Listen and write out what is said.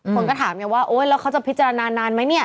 คนก็ถามไงว่าโอ๊ยแล้วเขาจะพิจารณานานไหมเนี่ย